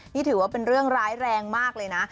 นี่ถือว่าเป็นเรื่องร้ายแรงมากเลยนะ